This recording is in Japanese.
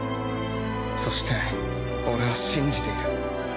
そして俺は信じている。